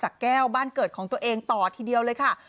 แก้วบ้านเกิดของตัวเองต่อทีเดียวเลยค่ะ